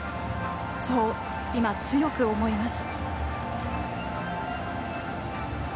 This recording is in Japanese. そう今、強く思います。